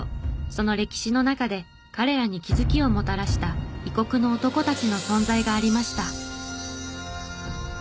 その歴史の中で彼らに気づきをもたらした異国の男たちの存在がありました。